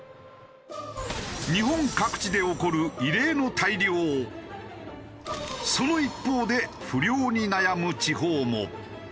日本各地で起こるその一方で不漁に悩む地方も。